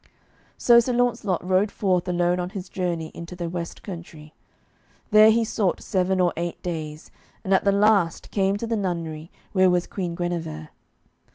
So Sir Launcelot rode forth alone on his journey into the west country. There he sought seven or eight days, and at the last came to the nunnery where was Queen Guenever.